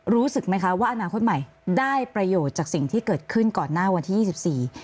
รู้สึกไหมคะว่าอนาคตใหม่ได้ประโยชน์จากสิ่งที่เกิดขึ้นก่อนหน้าวันที่ยี่สิบสี่